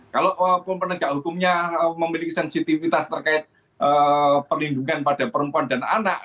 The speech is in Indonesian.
kalau penegak hukumnya memiliki sensitivitas terkait perlindungan pada perempuan dan perempuan